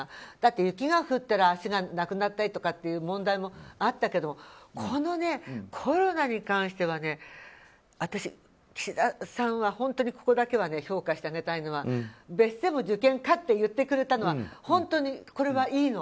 雪が降ったら足がなくなったりって問題もあったけどこのコロナに関しては私、岸田さんは本当にここだけは評価してあげたいのは別室でも受験可と言ってくれたのは本当に、これはいいの。